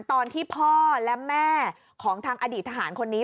ตอนที่พ่อและแม่ของทางอดีตทหารคนนี้